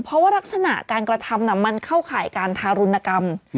เพราะว่ารักษณะการกระทำมันเข้าข่ายการทารุณกรรม